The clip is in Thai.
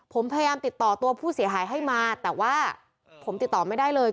ผมพยายามติดต่อตัวผู้เสียหายให้มาแต่ว่าผมติดต่อไม่ได้เลย